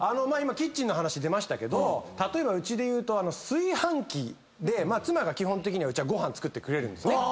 キッチンの話出ましたけど例えばうちで言うと炊飯器で妻が基本的にはうちご飯作ってくれるんですね。